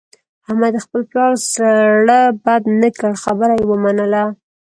احمد د خپل پلار زړه بد نه کړ، خبره یې ومنله.